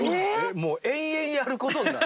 もう延々やる事になる。